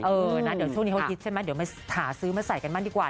เออนะเดี๋ยวช่วงนี้เขาฮิตใช่ไหมเดี๋ยวมาหาซื้อมาใส่กันบ้างดีกว่า